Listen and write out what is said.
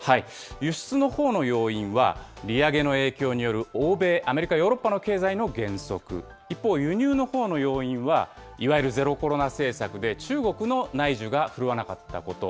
輸出のほうの要因は利上げの影響による欧米、アメリカ、ヨーロッパの経済の減速、一方、輸入のほうの要因は、いわゆるゼロコロナ政策で中国の内需が振るわなかったこと。